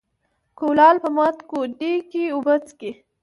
ـ کولال په مات کودي کې اوبه څکي.